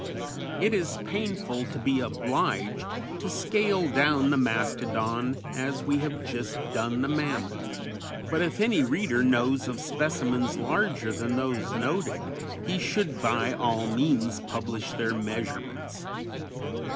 It is painful to be obliged to scale down the mastodon as we have just done the mammoth, but if any reader knows of specimens larger than those noted, he should by all means publish their measurements.